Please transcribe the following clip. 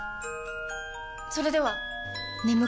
それでは！